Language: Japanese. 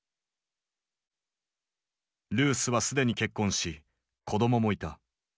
ルースは既に結婚し子供もいた。